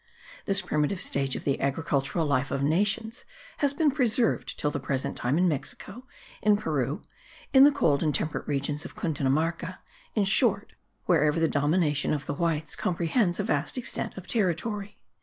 This primitive stage of the agricultural life of nations has been preserved till the present time in Mexico, in Peru, in the cold and temperate regions of Cundinamarca, in short, wherever the domination of the whites comprehends a vast extent of territory.